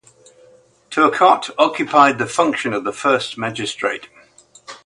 Turcotte occupied the function of first magistrate.